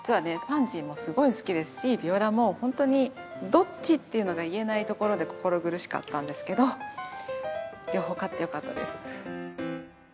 パンジーもすごい好きですしビオラもほんとにどっちっていうのが言えないところで心苦しかったんですけど両方勝ってよかったです。